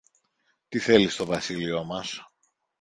Τι θέλει στο βασίλειο μας;